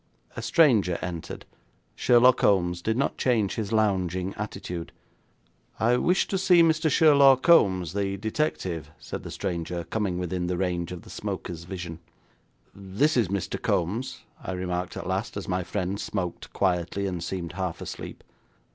A stranger entered. Sherlaw Kombs did not change his lounging attitude. 'I wish to see Mr. Sherlaw Kombs, the detective,' said the stranger, coming within the range of the smoker's vision. 'This is Mr. Kombs,' I remarked at last, as my friend smoked quietly, and seemed half asleep.